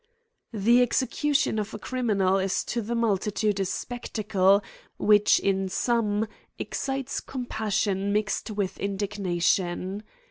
The execution of a criminal is to the multitude a spectacle which in some excites compassion mix ed with indignation.